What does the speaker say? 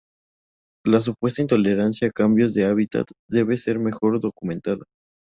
La supuesta intolerancia a cambios de hábitat debe ser mejor documentada.